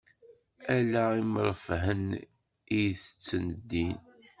Ala imreffhen i itetten din.